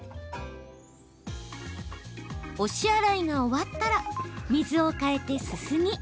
押し洗いが終わったら水を替えて、すすぎ。